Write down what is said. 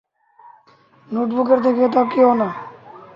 নোটবুকের দিকে তাকিও না!